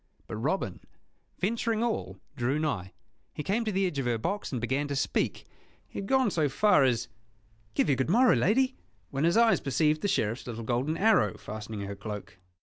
But Robin, venturing all, drew nigh. He came to the edge of her box, and began to speak. He had gone so far as "Give you good morrow, lady," when his eyes perceived the Sheriff's little golden arrow fastening her cloak.